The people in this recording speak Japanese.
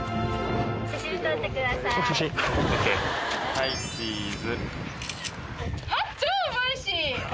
はいチーズ。